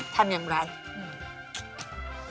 ทำยังไง